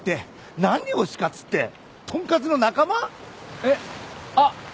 えっあっ！